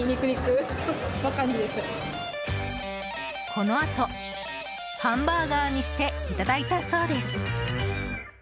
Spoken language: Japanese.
このあとハンバーガーにしていただいたそうです。